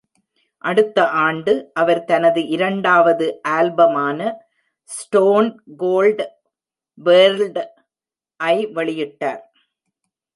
அடுத்த ஆண்டு, அவர் தனது இரண்டாவது ஆல்பமான "ஸ்டோன் கோல்ட் வேர்ல்ட்" ஐ வெளியிட்டார்.